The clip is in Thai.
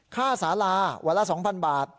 ค่าสาราวันละ๒๐๐บาท